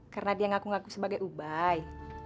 karena dia ngaku ngaku sebagai ubai